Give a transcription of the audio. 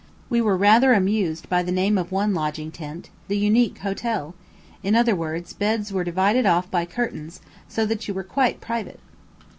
We were rather amused by the name of one lodging tent, "The Unique Hotel"; in other words, beds were divided off by curtains, so that you were quite private!